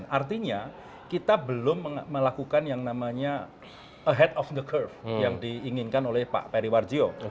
artinya kita belum melakukan yang namanya head of the curve yang diinginkan oleh pak periwarjo